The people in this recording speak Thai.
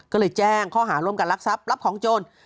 ก็เลยแจ้งข้อหาร่วมกันรักทรัพย์รับของโจร